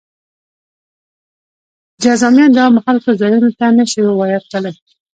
جذامیان د عامو خلکو ځایونو ته نه شوای ورتلی.